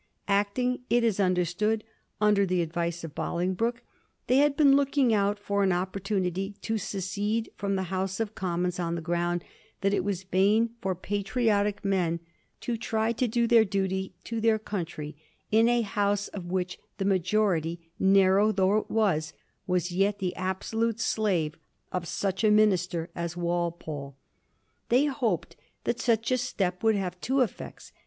Acting, it is understood, under the ad* vice of Bolingbroke, they had been looking out for an opportunity to secede from the House of Commons on the ground that it was vain for patriotic men to try to do their duty to their country in a House of which the majority, narrow though it was, was yet the absolute slave of such a minister as Walpole. They hoped that such a step would have two effects.